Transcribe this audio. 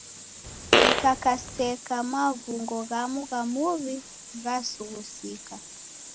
Dikakaseka maw'ungo ghamu gha muw'i ghasughusika.